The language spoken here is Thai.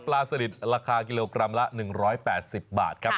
สลิดราคากิโลกรัมละ๑๘๐บาทครับ